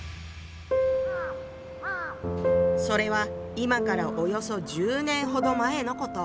それは今からおよそ１０年ほど前のこと。